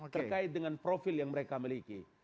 terkait dengan profil yang mereka miliki